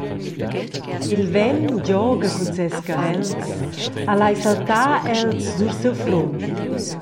Il vent gioga cun ses cavels e lai saltar els sur siu frunt.